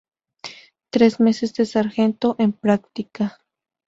Tres meses de Sargento en práctica.